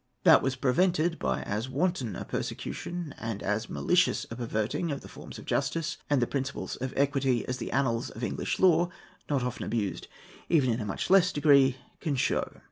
That was prevented by as wanton a prosecution and as malicious a perverting of the forms of justice and the principles of equity as the annals of English law, not often abused even in a much less degree, can show.